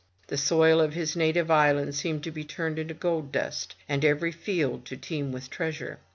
The soil of his native island seemed to be turned into gold dust; and every field to teem with treasure.